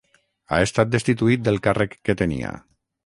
Ha estat destituït del càrrec que tenia.